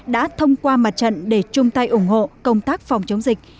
đã thông qua mặt trận để chung tay ủng hộ công tác phòng chống dịch